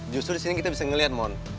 justru disini kita bisa ngeliat mon